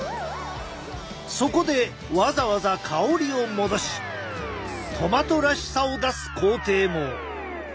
そこでわざわざ香りを戻しトマトらしさを出す工程も。